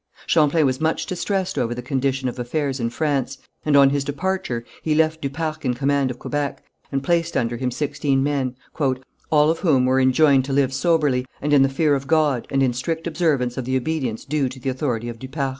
Champlain was much distressed over the condition of affairs in France, and on his departure he left du Parc in command of Quebec, and placed under him sixteen men, "all of whom were enjoined to live soberly, and in the fear of God, and in strict observance of the obedience due to the authority of du Parc."